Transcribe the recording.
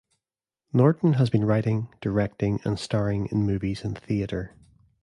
Norton has been writing, directing and starring in movies and theater.